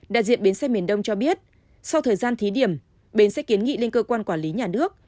đại diện bến xe miền đông cho biết sau thời gian thí điểm bến sẽ kiến nghị lên cơ quan quản lý nhà nước